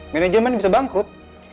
manajemen bisa bangkrut